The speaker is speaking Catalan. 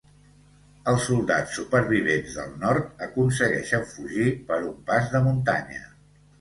Els soldats supervivents del nord aconsegueixen fugir per un pas de muntanya.